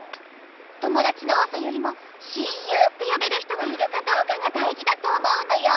ともだちの多さよりも親友ってよべる人がいるかどうかがだいじだと思うのよ。